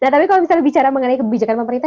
tapi kalau misalnya bicara kebijakan pemerintah